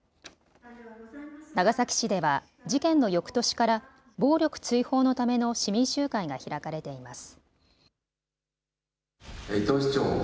長崎市では事件のよくとしから暴力追放のための市民集会が開かれています。